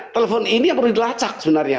telepon ini yang perlu dilacak sebenarnya